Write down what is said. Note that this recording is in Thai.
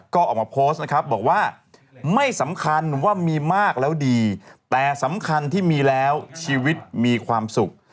ก็ออกมาโพสต์นะครับบอกว่าไม่สำคัญว่ามีมากแล้วดีแต่สำคัญที่มีแล้วชีวิตมีความสุข